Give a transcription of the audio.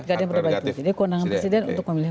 jadi keundangan presiden untuk memilih